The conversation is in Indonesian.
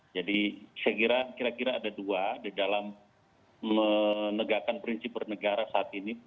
jadi saya kira kira kira ada dua di dalam menegakkan prinsip bernegara saat ini